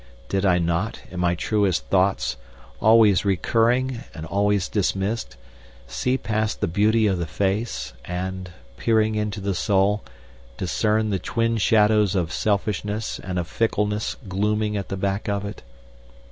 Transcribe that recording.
Did I not, in my truest thoughts, always recurring and always dismissed, see past the beauty of the face, and, peering into the soul, discern the twin shadows of selfishness and of fickleness glooming at the back of it?